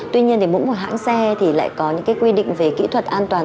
tuy nhiên thì mỗi một hãng xe lại có những quy định về kỹ thuật an toàn